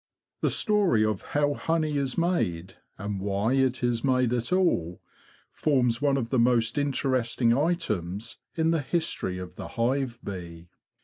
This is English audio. The story of how honey is made, and why it is made at all, forms one of the most interesting items in the history of the hive bee.